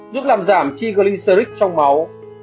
giúp làm giảm triglycerides trong máu